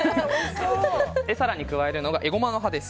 更に加えるのがエゴマの葉です。